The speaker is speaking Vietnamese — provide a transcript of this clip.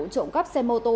trộm cắp xe mô tô